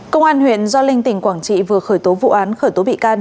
công an huyện gio linh tỉnh quảng trị vừa khởi tố vụ án khởi tố bị can